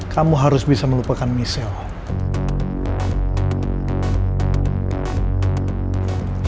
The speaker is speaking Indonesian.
kamu harus bisa melupakan misal